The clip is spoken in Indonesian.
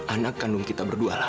anak kandung kita berdualah